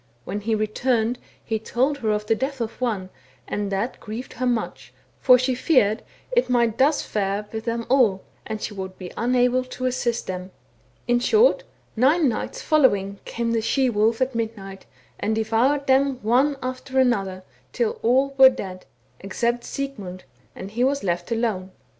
When he returned he told her of the death of one, and that grieved her much, for she feared it might fare thus with them all, and she would be unable to assist them. In short, nine nights following came the same she wolf at midnight, and devoured them one after another till all were dead, except Sigmund, and he was left alone.